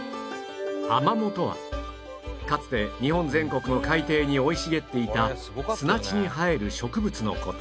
アマモとはかつて日本全国の海底に生い茂っていた砂地に生える植物の事